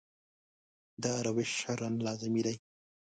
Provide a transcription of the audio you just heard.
دا روش شرعاً لازمي دی.